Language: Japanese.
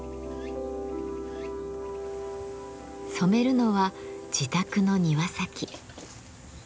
染めるのは自宅の庭先。